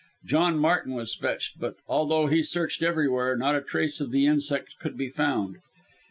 John Martin was fetched, but although he searched everywhere, not a trace of the insect could be found.